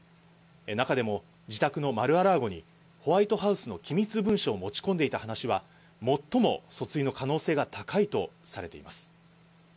中でも、自宅のマル・ア・ラーゴにホワイトハウスの機密文書を持ち込んでいた話は、最も訴追の可能性が高いとされています。